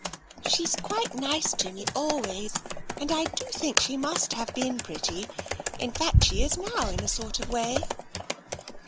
" She's quite too nice to me, always, and I do think she must have been pretty. In fact, she is now, in a sort of way."